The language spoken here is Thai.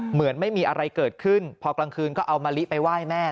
เหมือนไม่มีอะไรเกิดขึ้นพอกลางคืนก็เอามะลิไปไหว้แม่